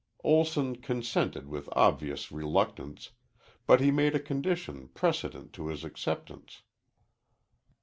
Olson consented with obvious reluctance, but he made a condition precedent to his acceptance.